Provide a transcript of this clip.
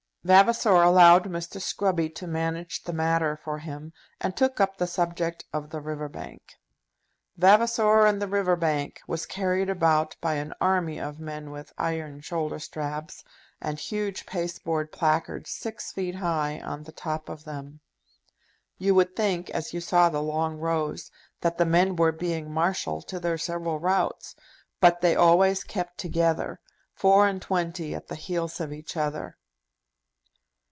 Vavasor allowed Mr. Scruby to manage the matter for him, and took up the subject of the River Bank. "Vavasor and the River Bank" was carried about by an army of men with iron shoulder straps, and huge pasteboard placards six feet high on the top of them. You would think, as you saw the long rows, that the men were being marshalled to their several routes; but they always kept together four and twenty at the heels of each other.